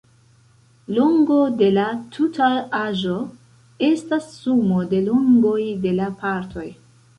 Longo de la tuta aĵo estas sumo de longoj de la partoj.